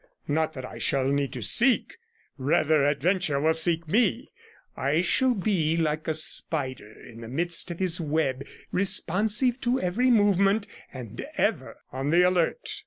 Not that I shall need to seek; rather adventure will seek me; I shall be like a spider in the midst of his web, responsive to every movement, and ever on the alert.'